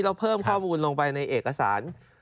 แล้วเพิ่มความรุนลงไปในเอกสาร